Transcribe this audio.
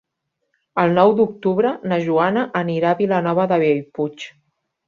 El nou d'octubre na Joana anirà a Vilanova de Bellpuig.